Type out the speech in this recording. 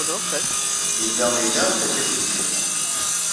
Yella ila takatut yelhan.